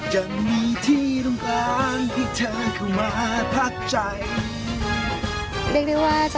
เรียกได้ว่าจะข้ามปีไปปีใหม่กันแล้วนะคะ